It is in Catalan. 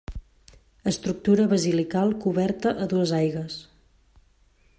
Estructura basilical coberta a dues aigües.